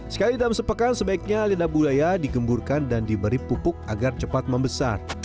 sekali dalam sepekan sebaiknya lidah buaya digemburkan dan diberi pupuk agar cepat membesar